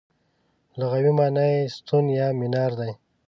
لغوي مانا یې ستون یا مینار دی.